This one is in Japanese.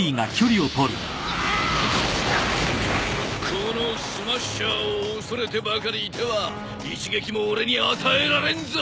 このスマッシャーを恐れてばかりいては一撃も俺に与えられんぞ。